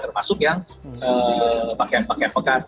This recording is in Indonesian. termasuk yang pakaian pakaian bekas